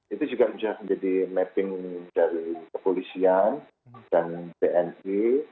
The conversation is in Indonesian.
itu juga menjadi mapping dari kepolisian dan bni